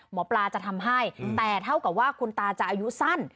หมอปลาจะทำให้แต่เท่ากับว่าคุณตาจะอายุสั้น